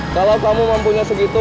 kalau kamu mampunya segitu